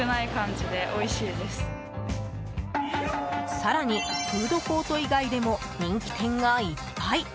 更に、フードコート以外でも人気店がいっぱい。